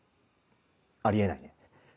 あり得ないね。